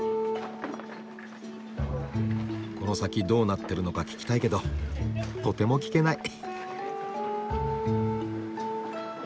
この先どうなってるのか聞きたいけどとても聞けない。